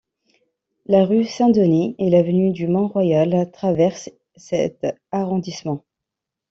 La rue Saint-Denis et l'avenue du Mont-Royal traversent cet arrondissement.